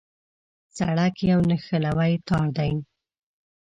سړک یو نښلوی تار دی.